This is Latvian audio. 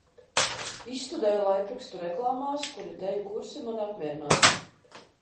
Izstudēju laikrakstu reklāmās kuri deju kursi mani apmierinās.